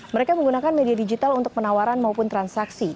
mereka menggunakan media digital untuk penawaran maupun transaksi